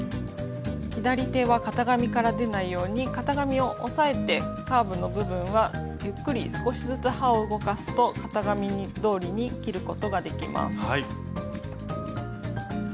左手は型紙から出ないように型紙を押さえてカーブの部分はゆっくり少しずつ刃を動かすと型紙どおりに切ることができます。